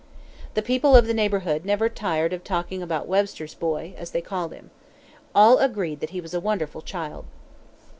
The people of the neighborhood never tired of talking about "Webster's boy," as they called him. All agreed that he was a wonderful child.